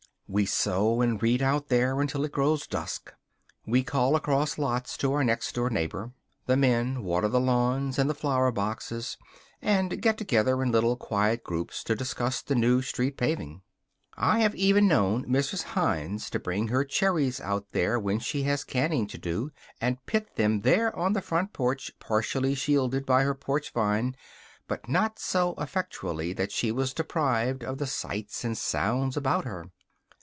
We sew and read out there until it grows dusk. We call across lots to our next door neighbor. The men water the lawns and the flower boxes and get together in little, quiet groups to discuss the new street paving. I have even known Mrs. Hines to bring her cherries out there when she had canning to do, and pit them there on the front porch partially shielded by her porch vine, but not so effectually that she was deprived of the sights and sounds about her.